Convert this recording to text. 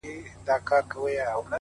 o کومه ورځ چي تاته زه ښېرا کوم،